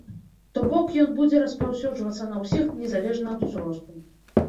То бок, ён будзе распаўсюджвацца на ўсіх, незалежна ад узросту.